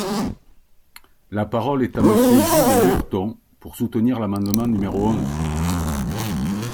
La parole est à Monsieur Gilles Lurton, pour soutenir l’amendement numéro onze.